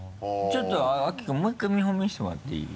ちょっと秋君もう１回見本見せてもらっていい？